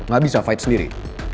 gak bisa fight sendiri